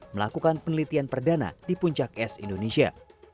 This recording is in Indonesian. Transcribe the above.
melakukan penelitian perdana di puncak es indonesia